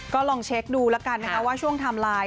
ก็ลองเช็คดูแล้วกันนะคะว่าช่วงไทม์ไลน์